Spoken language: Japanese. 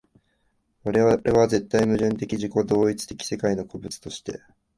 我々は絶対矛盾的自己同一的世界の個物として、